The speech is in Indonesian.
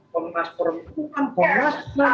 pemas perempuan pemas